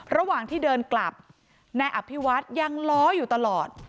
ระหว่างที่เดินกลับนายอภิวัฒน์ยังล้ออยู่ตลอด